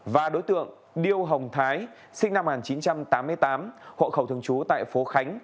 và đối tượng điêu hồng thái sinh năm một nghìn chín trăm tám mươi tám hộ khẩu thường trú tại phố khánh